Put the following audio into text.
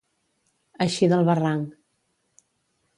Eixir del barranc.